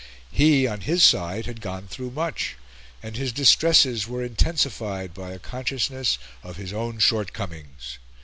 He, on his side, had gone through much; and his distresses were intensified by a consciousness of his own shortcomings.